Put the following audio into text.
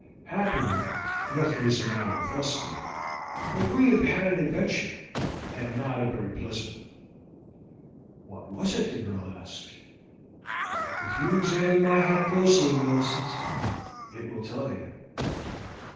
"Happily nothing is the matter with us, dear, but we have had an adventure, and not a very pleasant one." "What was it?" the girl asked. "If you examine my hat closely, Millicent, it will tell you."